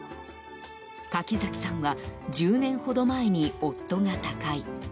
柿崎さんは１０年ほど前に夫が他界。